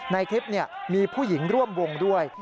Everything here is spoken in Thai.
ในคลิปมีผู้หญิงร่วมวงด้วย